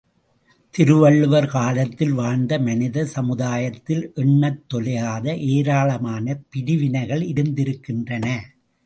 திருவள்ளுவர் காலத்தில் வாழ்ந்த மனித சமுதாயத்தில் எண்ணத் தொலையாத ஏராளமான பிரிவினைகள் இருந்திருக்கின்றன.